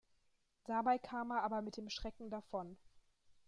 Dabei kam er aber mit dem Schrecken davon.